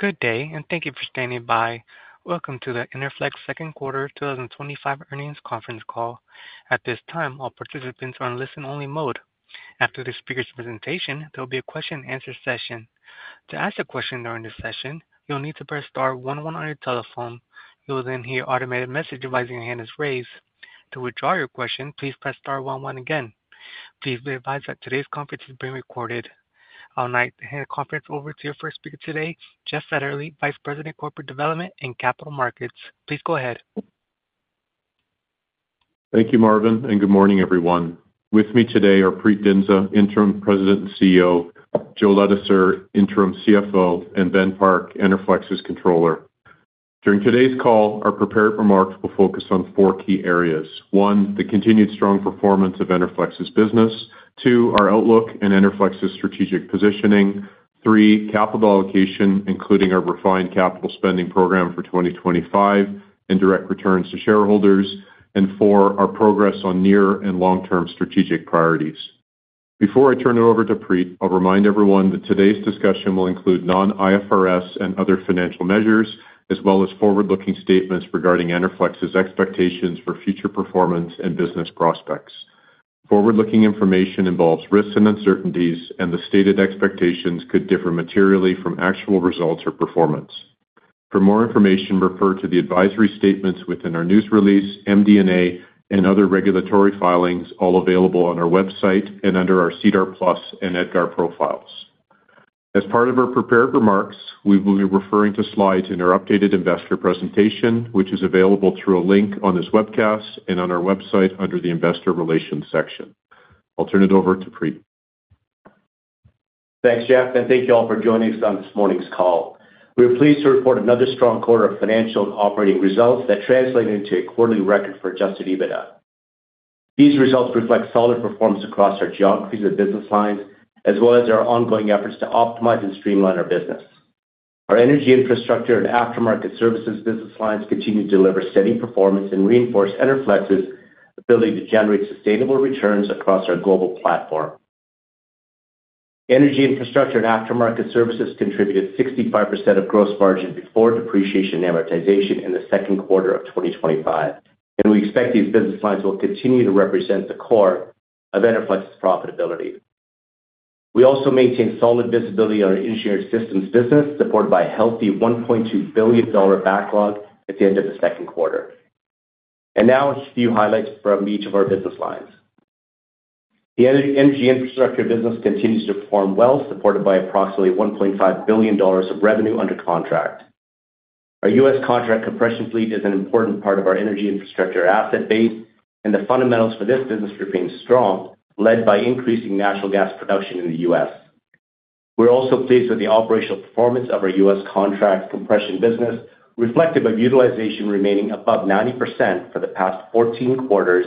Good day, and thank you for standing by. Welcome to the Enerflex Second Quarter 2025 Earnings Conference Call. At this time, all participants are in listen-only mode. After the speaker's presentation, there will be a question-and-answer session. To ask a question during this session, you'll need to press star one one on your telephone. You will then hear an automated message advising your hand is raised. To withdraw your question, please press star star again. Please be advised that today's conference is being recorded. I'll now hand the conference over to our first speaker today, Jeff Fetterly, Vice President of Corporate Development and Capital Markets. Please go ahead. Thank you, Marvin, and good morning, everyone. With me today are Preet Dhindsa, Interim President and CEO, Joe Ladouceur, Interim CFO, and Ben Park, Enerflex's Controller. During today's call, our prepared remarks will focus on four key areas: one, the continued strong performance of Enerflex's business; two, our outlook and Enerflex's strategic positioning; three, capital allocation, including our refined capital spending program for 2025 and direct returns to shareholders; and four, our progress on near and long-term strategic priorities. Before I turn it over to Preet, I'll remind everyone that today's discussion will include non-IFRS and other financial measures, as well as forward-looking statements regarding Enerflex's expectations for future performance and business prospects. Forward-looking information involves risks and uncertainties, and the stated expectations could differ materially from actual results or performance. For more information, refer to the advisory statements within our news release, MD&A, and other regulatory filings, all available on our website and under our CDAR+ and EDGAR profiles. As part of our prepared remarks, we will be referring to slides in our updated investor presentation, which is available through a link on this webcast and on our website under the Investor Relations section. I'll turn it over to Preet. Thanks, Jeff, and thank you all for joining us on this morning's call. We are pleased to report another strong quarter of financial operating results that translated into a quarterly record for adjusted EBITDA. These results reflect solid performance across our geographies and business lines, as well as our ongoing efforts to optimize and streamline our business. Our Energy Infrastructure and After-Market Services business lines continue to deliver steady performance and reinforce Enerflex's ability to generate sustainable returns across our global platform. Energy Infrastructure and After-Market Services contributed 65% of gross margin before depreciation and amortization in the second quarter of 2025, and we expect these business lines will continue to represent the core of Enerflex's profitability. We also maintain solid visibility on our Engineered Systems business, supported by a healthy $1.2 billion backlog at the end of the second quarter. Now, a few highlights from each of our business lines. The Energy Infrastructure business continues to perform well, supported by approximately $1.5 billion of revenue under contract. Our U.S. contract compression fleet is an important part of our Energy Infrastructure asset base, and the fundamentals for this business remain strong, led by increasing natural gas production in the U.S. We're also pleased with the operational performance of our U.S. contract compression business, reflective of utilization remaining above 90% for the past 14 quarters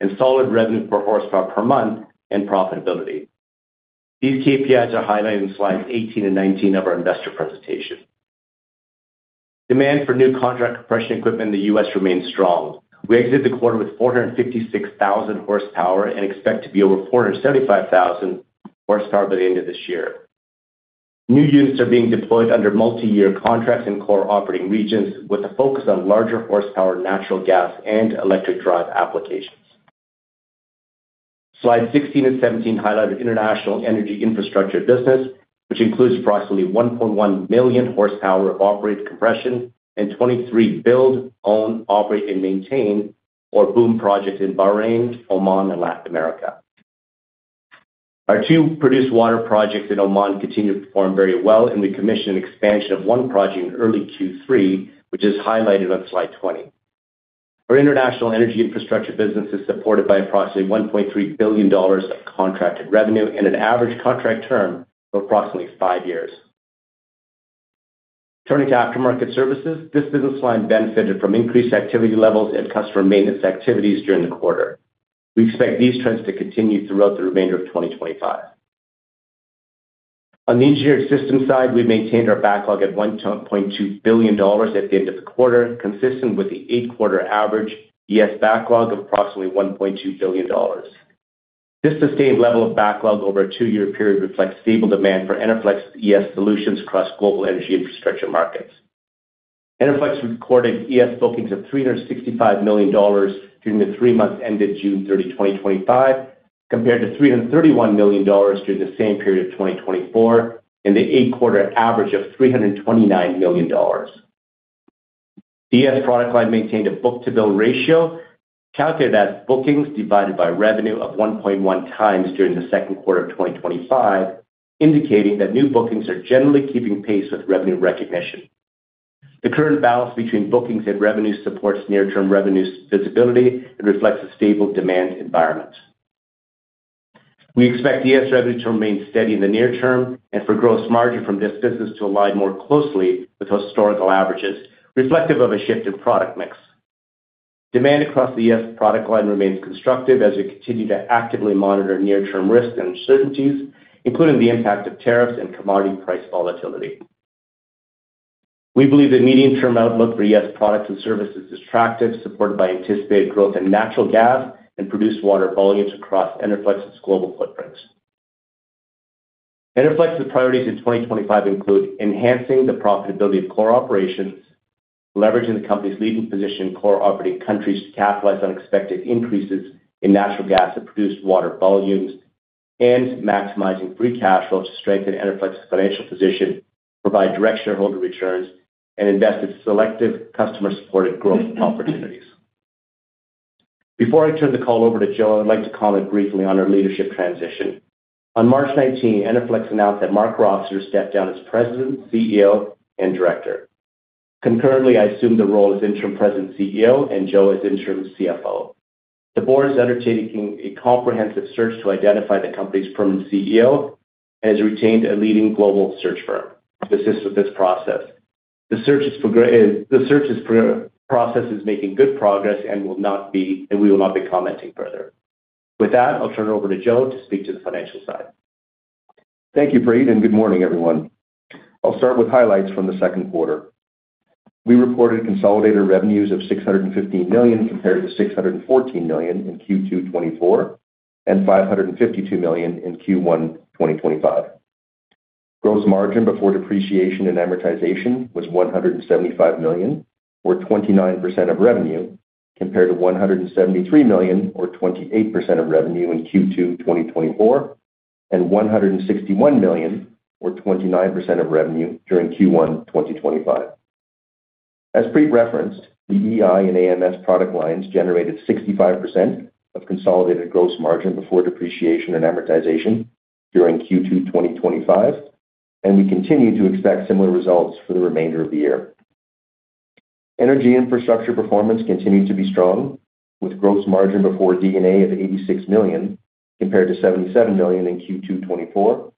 and solid revenue per horsepower per month and profitability. These KPIs are highlighted in slides 18 and 19 of our investor presentation. Demand for new contract compression equipment in the U.S. remains strong. We exited the quarter with 456,000 hp and expect to be over 475,000 hp by the end of this year. New units are being deployed under multi-year contracts in core operating regions, with a focus on larger horsepower natural gas and electric drive applications. Slides 16 and 17 highlight our international Energy Infrastructure business, which includes approximately 1.1 million hp of operated compression and 23 Build, Own, Operate, and Maintain, or BOOM projects in Bahrain, Oman, and Latin America. Our two produced water projects in Oman continue to perform very well, and we commissioned an expansion of one project in early Q3, which is highlighted on slide 20. Our international energy infrastructure business is supported by approximately $1.3 billion of contracted revenue and an average contract term of approximately five years. Turning to after-market services, this business line benefited from increased activity levels and customer maintenance activities during the quarter. We expect these trends to continue throughout the remainder of 2025. On the Engineered Systems side, we maintained our backlog at $1.2 billion at the end of the quarter, consistent with the eight-quarter average U.S. backlog of approximately $1.2 billion. This sustained level of backlog over a two-year period reflects stable demand for Enerflex's U.S. solutions across global energy infrastructure markets. Enerflex recorded U.S. bookings of $365 million during the three months ended June 30, 2025, compared to $331 million during the same period of 2024, and the eight-quarter average of $329 million. The U.S. product line maintained a book-to-bill ratio calculated at bookings divided by revenue of 1.1x during the second quarter of 2025, indicating that new bookings are generally keeping pace with revenue recognition. The current balance between bookings and revenue supports near-term revenue visibility and reflects a stable demand environment. We expect U.S. revenue to remain steady in the near term and for gross margin from this business to align more closely with historical averages, reflective of a shift in product mix. Demand across the U.S. product line remains constructive as we continue to actively monitor near-term risks and uncertainties, including the impact of tariffs and commodity price volatility. We believe the medium-term outlook for U.S. products and services is attractive, supported by anticipated growth in natural gas and produced water volumes across Enerflex's global footprints. Enerflex's priorities in 2025 include enhancing the profitability of core operations, leveraging the company's legal position in core operating countries to capitalize on expected increases in natural gas and produced water volumes, and maximizing free cash flow to strengthen Enerflex's financial position, provide direct shareholder returns, and invest in selective customer-supported growth opportunities. Before I turn the call over to Joe, I'd like to comment briefly on our leadership transition. On March 19, Enerflex announced that Marc Rossiter stepped down as President, CEO, and Director. Concurrently, I assumed the role as Interim President and CEO, and Joe as Interim CFO. The board is undertaking a comprehensive search to identify the company's permanent CEO and has retained a leading global search firm to assist with this process. The search process is making good progress, and we will not be commenting further. With that, I'll turn it over to Joe to speak to the financial side. Thank you, Preet, and good morning, everyone. I'll start with highlights from the second quarter. We reported consolidated revenues of $615 million compared to $614 million in Q2 2024 and $552 million in Q1 2025. Gross margin before depreciation and amortization was $175 million, or 29% of revenue, compared to $173 million, or 28% of revenue in Q2 2024, and $161 million, or 29% of revenue during Q1 2025. As Preet referenced, the EI and AMS product lines generated 65% of consolidated gross margin before depreciation and amortization during Q2 2025, and we continue to expect similar results for the remainder of the year. Energy Infrastructure performance continued to be strong, with gross margin before depreciation and amortization of $86 million compared to $77 million in Q2 2024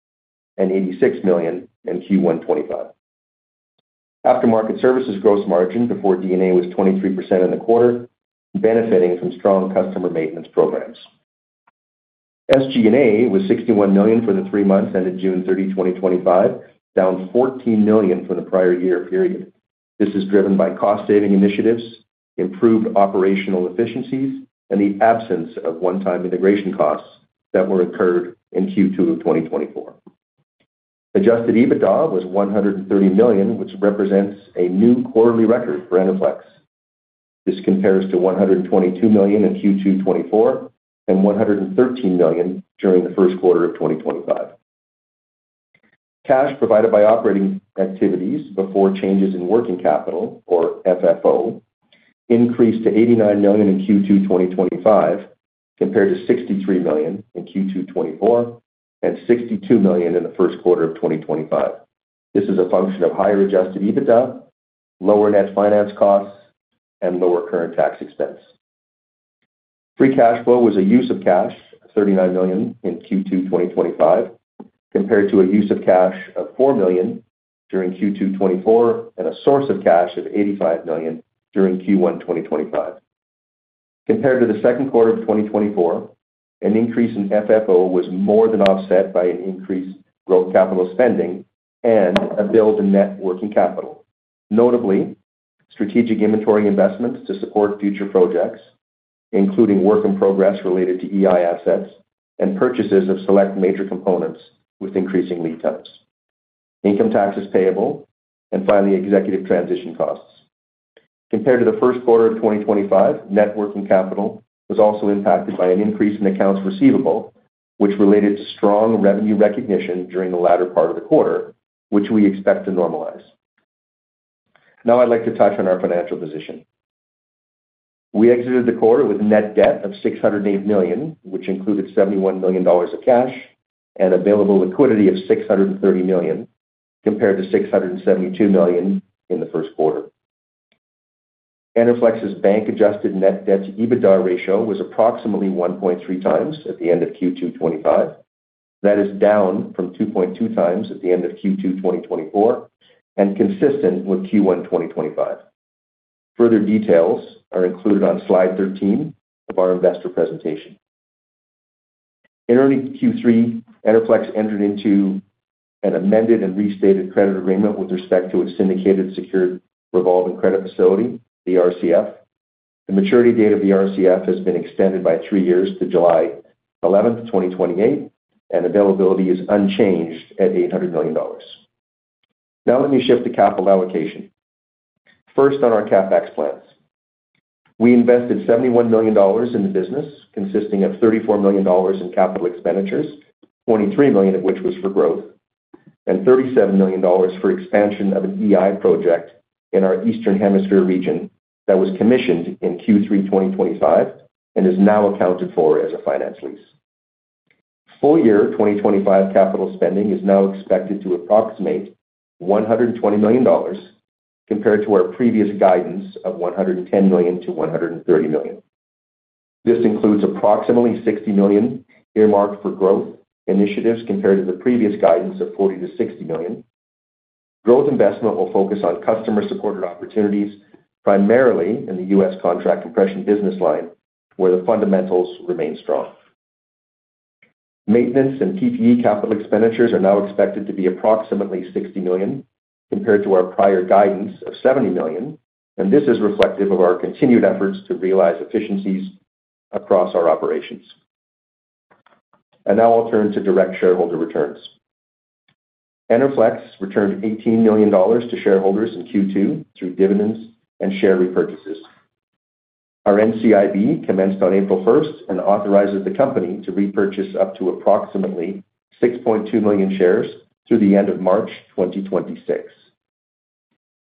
and $86 million in Q1 2025. After-Market Services gross margin before depreciation and amortization was 23% in the quarter, benefiting from strong customer maintenance programs. SG&A was $61 million for the three months ended June 30, 2025, down $14 million from the prior year period. This is driven by cost-saving initiatives, improved operational efficiencies, and the absence of one-time integration costs that were incurred in Q2 2024. Adjusted EBITDA was $130 million, which represents a new quarterly record for Enerflex. This compares to $122 million in Q2 2024 and $113 million during the first quarter of 2025. Cash provided by operating activities before changes in working capital, or FFO, increased to $89 million in Q2 2025 compared to $63 million in Q2 2024 and $62 million in the first quarter of 2025. This is a function of higher adjusted EBITDA, lower net finance costs, and lower current tax expense. Free cash flow was a use of cash of $39 million in Q2 2025 compared to a use of cash of $4 million during Q2 2024 and a source of cash of $85 million during Q1 2025. Compared to the second quarter of 2024, an increase in FFO was more than offset by an increase in gross capital spending and a build in net working capital. Notably, strategic inventory investments to support future projects, including work in progress related to TI assets and purchases of select major components with increasing lead times, income taxes payable, and finally, executive transition costs. Compared to the first quarter of 2025, net working capital was also impacted by an increase in accounts receivable, which related to strong revenue recognition during the latter part of the quarter, which we expect to normalize. Now, I'd like to touch on our financial position. We exited the quarter with a net debt of $608 million, which included $71 million of cash and available liquidity of $630 million compared to $672 million in the first quarter. Enerflex's bank-adjusted net debt to EBITDA ratio was approximately 1.3x at the end of Q2 2025. That is down from 2.2x at the end of Q2 2024 and consistent with Q1 2025. Further details are included on slide 13 of our investor presentation. In early Q3, Enerflex entered into an amended and restated credit agreement with respect to its syndicated secured revolving credit facility, the RCF. The maturity date of the RCF has been extended by three years to July 11, 2028, and availability is unchanged at $800 million. Now, let me shift to capital allocation. First, on our CapEx plans. We invested $71 million in the business, consisting of $34 million in capital expenditures, $23 million of which was for growth, and $37 million for expansion of an Energy Infrastructure project in our Eastern Hemisphere region that was commissioned in Q3 2025 and is now accounted for as a finance lease. Full-year 2025 capital spending is now expected to approximate $120 million, compared to our previous guidance of $110 million-$130 million. This includes approximately $60 million earmarked for growth initiatives compared to the previous guidance of $40 million-$60 million. Growth investment will focus on customer-supported opportunities, primarily in the U.S. Contract Compression business line, where the fundamentals remain strong. Maintenance and PPE capital expenditures are now expected to be approximately $60 million, compared to our prior guidance of $70 million, and this is reflective of our continued efforts to realize efficiencies across our operations. I'll turn to direct shareholder returns. Enerflex returned $18 million to shareholders in Q2 through dividends and share repurchases. Our NCIB commenced on April 1st and authorized the company to repurchase up to approximately 6.2 million shares through the end of March 2026.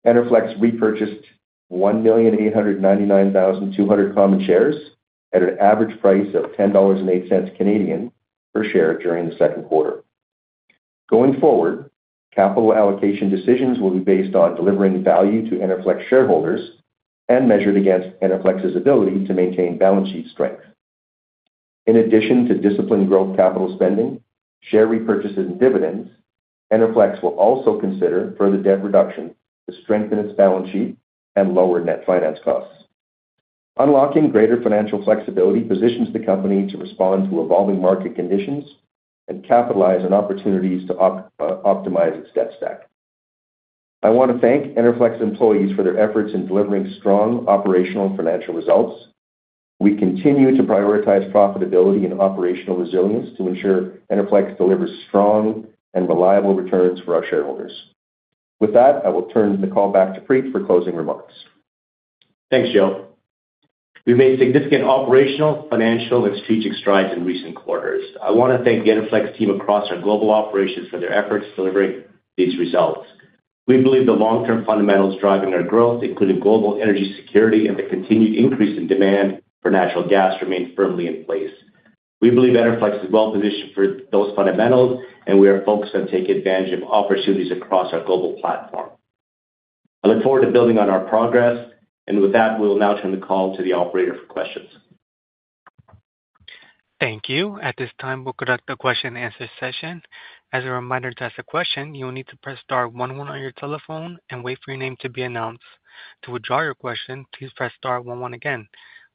Enerflex repurchased 1,899,200 common shares at an average price of 10.08 Canadian dollars per share during the second quarter. Going forward, capital allocation decisions will be based on delivering value to Enerflex shareholders and measured against Enerflex's ability to maintain balance sheet strength. In addition to disciplined growth capital spending, share repurchases, and dividends, Enerflex will also consider further debt reduction to strengthen its balance sheet and lower net finance costs. Unlocking greater financial flexibility positions the company to respond to evolving market conditions and capitalize on opportunities to optimize its debt stack. I want to thank Enerflex employees for their efforts in delivering strong operational and financial results. We continue to prioritize profitability and operational resilience to ensure Enerflex delivers strong and reliable returns for our shareholders. With that, I will turn the call back to Preet for closing remarks. Thanks, Joe. We've made significant operational, financial, and strategic strides in recent quarters. I want to thank the Enerflex team across our global operations for their efforts delivering these results. We believe the long-term fundamentals driving our growth, including global energy security and the continued increase in demand for natural gas, remain firmly in place. We believe Enerflex is well-positioned for those fundamentals, and we are focused on taking advantage of opportunities across our global platform. I look forward to building on our progress, and with that, we will now turn the call to the operator for questions. Thank you. At this time, we'll conduct the question-and-answer session. As a reminder, to ask a question, you will need to press star one one on your telephone and wait for your name to be announced. To withdraw your question, please press star one one again.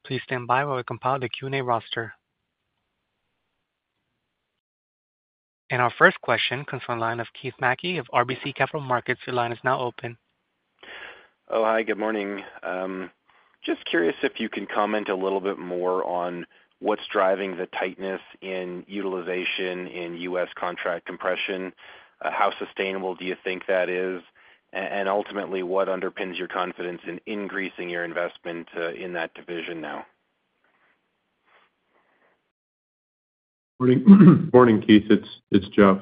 Please stand by while we compile the Q&A roster. Our first question comes from a line of Keith Mackey of RBC Capital Markets. Your line is now open. Oh, hi. Good morning. Just curious if you can comment a little bit more on what's driving the tightness in utilization in U.S. contract compression. How sustainable do you think that is? Ultimately, what underpins your confidence in increasing your investment in that division now? Morning. Morning, Keith. It's Jeff.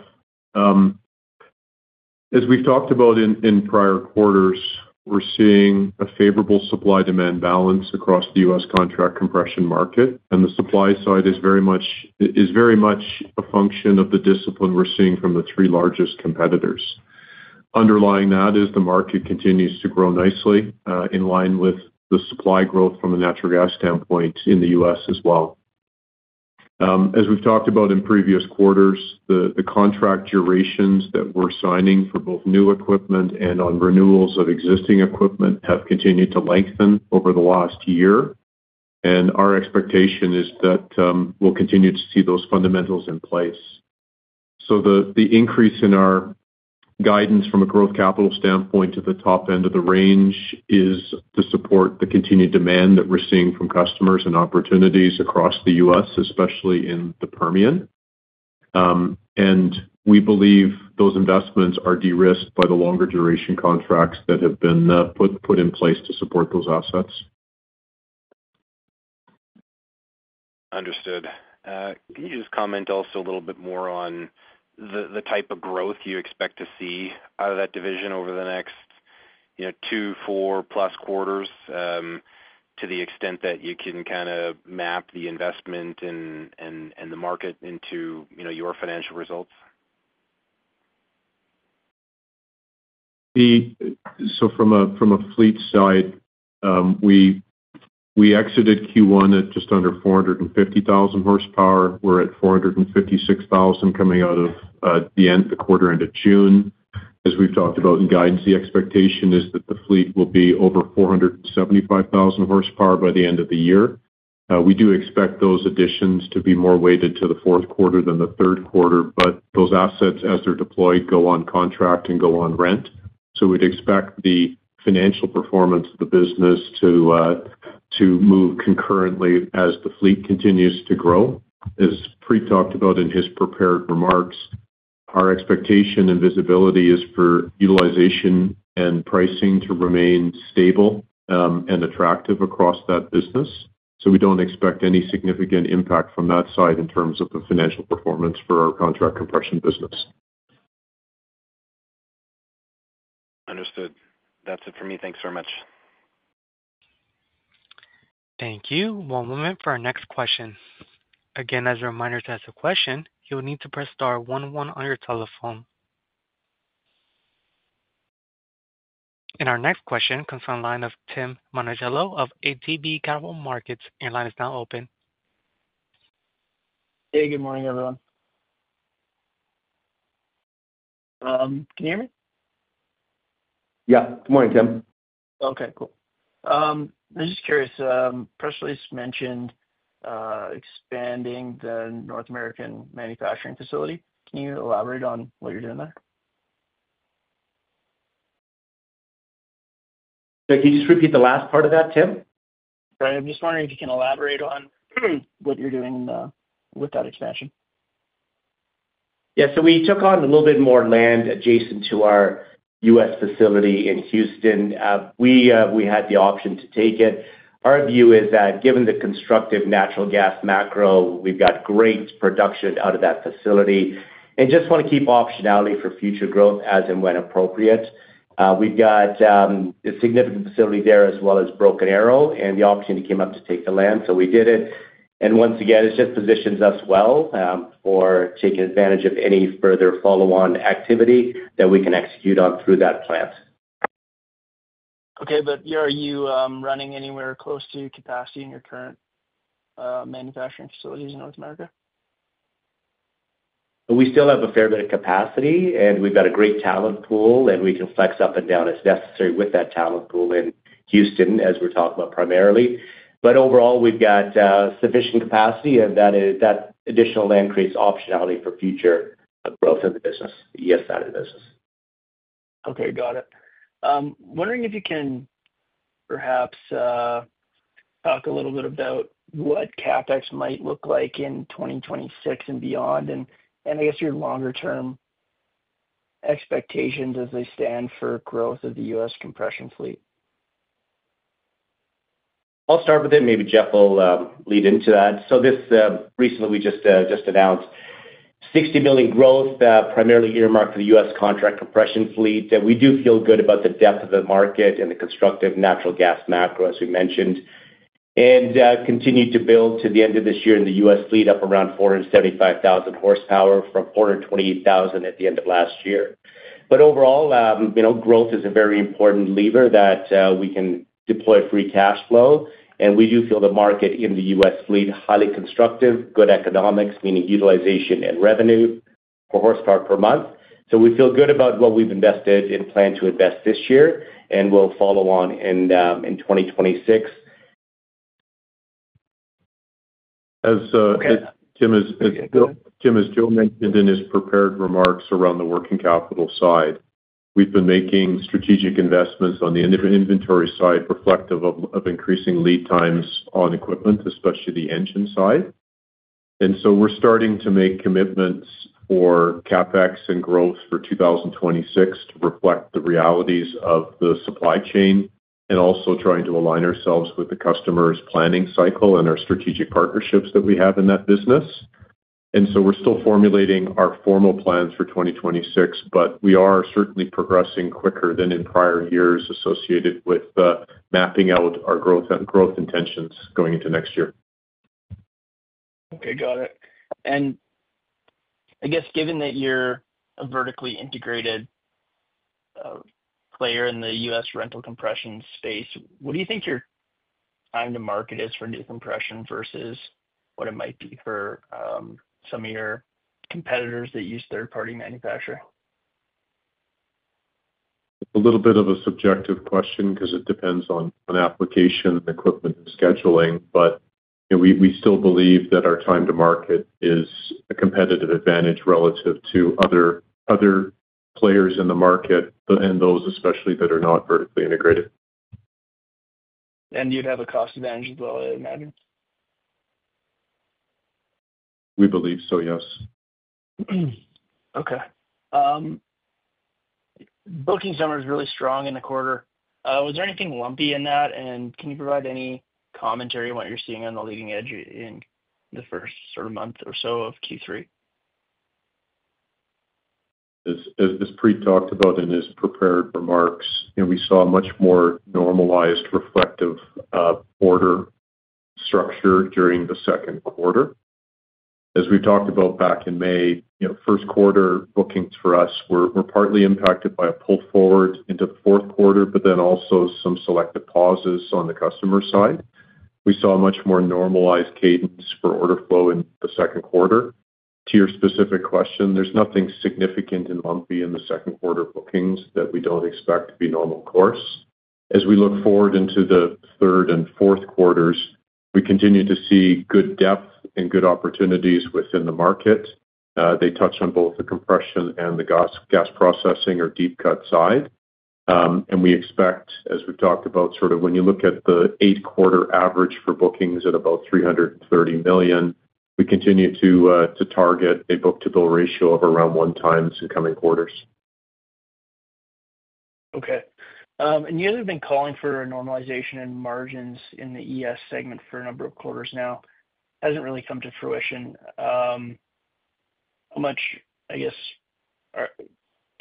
As we've talked about in prior quarters, we're seeing a favorable supply-demand balance across the U.S. contract compression market, and the supply side is very much a function of the discipline we're seeing from the three largest competitors. Underlying that is the market continues to grow nicely in line with the supply growth from a natural gas standpoint in the U.S. as well. As we've talked about in previous quarters, the contract durations that we're signing for both new equipment and on renewals of existing equipment have continued to lengthen over the last year, and our expectation is that we'll continue to see those fundamentals in place. The increase in our guidance from a growth capital standpoint to the top end of the range is to support the continued demand that we're seeing from customers and opportunities across the U.S., especially in the Permian. We believe those investments are de-risked by the longer duration contracts that have been put in place to support those assets. Understood. Can you just comment also a little bit more on the type of growth you expect to see out of that division over the next, you know, two, 4+ quarters, to the extent that you can kind of map the investment and the market into, you know, your financial results? From a fleet side, we exited Q1 at just under 450,000 hp. We're at 456,000 hp coming out of the end of the quarter, end of June. As we've talked about in guidance, the expectation is that the fleet will be over 475,000 hp by the end of the year. We do expect those additions to be more weighted to the fourth quarter than the third quarter, but those assets, as they're deployed, go on contract and go on rent. We'd expect the financial performance of the business to move concurrently as the fleet continues to grow. As Preet talked about in his prepared remarks, our expectation and visibility is for utilization and pricing to remain stable and attractive across that business. We don't expect any significant impact from that side in terms of the financial performance for our contract compression business. Understood. That's it for me. Thanks very much. Thank you. One moment for our next question. As a reminder, to ask a question, you will need to press star one one on your telephone. Our next question comes from the line of Tim Monachello of ATB Capital Markets. Your line is now open. Hey, good morning, everyone. Can you hear me? Yeah, good morning, Tim. Okay, cool. I was just curious. The press release mentioned expanding the North American manufacturing facility. Can you elaborate on what you're doing there? Sorry, can you just repeat the last part of that, Tim? Sorry, I'm just wondering if you can elaborate on what you're doing with that expansion. Yeah, we took on a little bit more land adjacent to our U.S. facility in Houston. We had the option to take it. Our view is that given the constructive natural gas macro, we've got great production out of that facility and just want to keep optionality for future growth as and when appropriate. We've got a significant facility there as well as Broken Arrow, and the opportunity came up to take the land, so we did it. It just positions us well for taking advantage of any further follow-on activity that we can execute on through that plant. Okay, are you running anywhere close to capacity in your current manufacturing facilities in North America? We still have a fair bit of capacity, and we've got a great talent pool, and we can flex up and down as necessary with that talent pool in Houston, as we're talking about primarily. Overall, we've got sufficient capacity, and that additional land creates optionality for future growth of the business, the U.S. side of the business. Okay, got it. I'm wondering if you can perhaps talk a little bit about what CapEx might look like in 2026 and beyond, and I guess your longer-term expectations as they stand for growth of the U.S. compression fleet. I'll start with it. Maybe Jeff will lead into that. Recently, we just announced $60 million growth, primarily earmarked for the U.S. contract compression fleet. We do feel good about the depth of the market and the constructive natural gas macro, as we mentioned, and continue to build to the end of this year in the U.S. fleet up around 475,000 hpr from 428,000 hp at the end of last year. Overall, growth is a very important lever that we can deploy free cash flow, and we do feel the market in the U.S. fleet is highly constructive, good economics, meaning utilization and revenue per horsepower per month. We feel good about what we've invested and plan to invest this year and will follow on in 2026. As Joe mentioned in his prepared remarks around the working capital side, we've been making strategic investments on the inventory side, reflective of increasing lead times on equipment, especially the engine side. We're starting to make commitments for CapEx and growth for 2026 to reflect the realities of the supply chain and also trying to align ourselves with the customer's planning cycle and our strategic partnerships that we have in that business. We're still formulating our formal plans for 2026, but we are certainly progressing quicker than in prior years associated with mapping out our growth and growth intentions going into next year. Okay, got it. I guess given that you're a vertically integrated player in the U.S. rental compression space, what do you think your time to market is for new compression versus what it might be for some of your competitors that use third-party manufacturing? A little bit of a subjective question because it depends on application and equipment scheduling, but you know we still believe that our time to market is a competitive advantage relative to other players in the market, especially those that are not vertically integrated. You'd have a cost advantage as well, I imagine. We believe so, yes. Okay. Booking summary is really strong in the quarter. Was there anything lumpy in that, and can you provide any commentary on what you're seeing on the leading edge in the first sort of month or so of Q3? As Preet talked about in his prepared remarks, we saw a much more normalized, reflective order structure during the second quarter. As we talked about back in May, first quarter bookings for us were partly impacted by a pull forward into the fourth quarter, but also some selective pauses on the customer side. We saw a much more normalized cadence for order flow in the second quarter. To your specific question, there's nothing significant and lumpy in the second quarter bookings that we don't expect to be normal course. As we look forward into the third and fourth quarters, we continue to see good depth and good opportunities within the market. They touch on both the compression and the gas processing or deep cut side. We expect, as we've talked about, sort of when you look at the eight-quarter average for bookings at about $330 million, we continue to target a book-to-bill ratio of around one time in incoming quarters. You had been calling for a normalization in margins in the U.S. segment for a number of quarters now. It hasn't really come to fruition. How much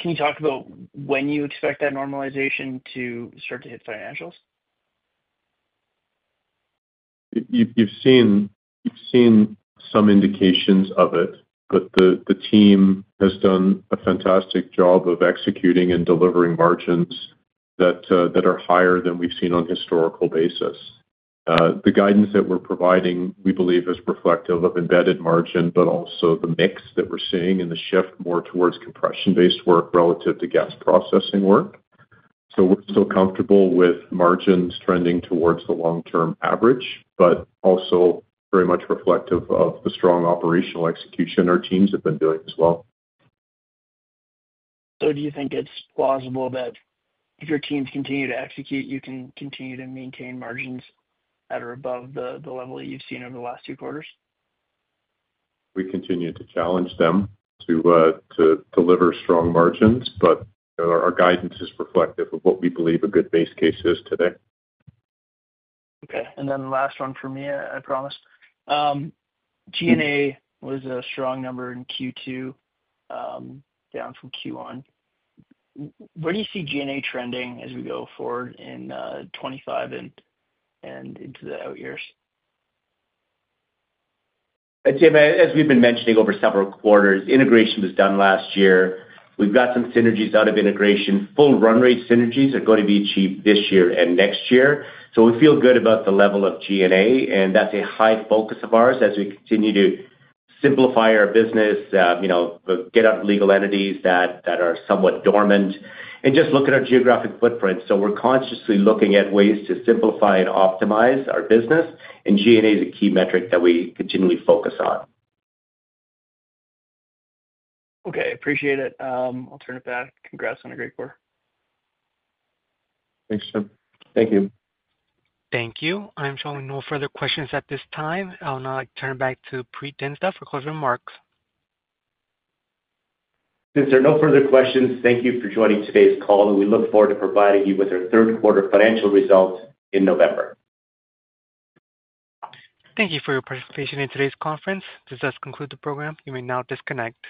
can you talk about when you expect that normalization to start to hit financials? You've seen some indications of it, but the team has done a fantastic job of executing and delivering margins that are higher than we've seen on a historical basis. The guidance that we're providing, we believe, is reflective of embedded margin, but also the mix that we're seeing in the shift more towards compression-based work relative to gas processing work. We're still comfortable with margins trending towards the long-term average, but also very much reflective of the strong operational execution our teams have been doing as well. Do you think it's plausible that if your teams continue to execute, you can continue to maintain margins at or above the level that you've seen over the last two quarters? We continue to challenge them to deliver strong margins, but our guidance is reflective of what we believe a good base case is today. Okay. The last one for me, I promise. G&A was a strong number in Q2, down from Q1. Where do you see G&A trending as we go forward in 2025 and into the out years? Tim, as we've been mentioning over several quarters, integration was done last year. We've got some synergies out of integration. Full run-rate synergies are going to be achieved this year and next year. We feel good about the level of G&A, and that's a high focus of ours as we continue to simplify our business, get out of legal entities that are somewhat dormant, and just look at our geographic footprint. We're consciously looking at ways to simplify and optimize our business, and G&A is a key metric that we continually focus on. Okay. Appreciate it. I'll turn it back. Congrats on a great quarter. Thanks, Tim. Thank you. Thank you. I'm showing no further questions at this time. I'll now turn it back to Preet Dhindsa for closing remarks. Since there are no further questions, thank you for joining today's call, and we look forward to providing you with our third-quarter financial results in November. Thank you for your participation in today's conference. This does conclude the program. You may now disconnect.